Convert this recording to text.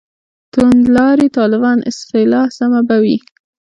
«توندلاري طالبان» اصطلاح سمه به وي.